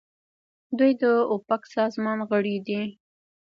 دوی د اوپک سازمان غړي دي.